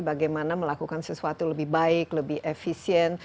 bagaimana melakukan sesuatu lebih baik lebih efisien